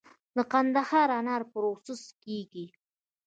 د قندهار انار پروسس کیږي؟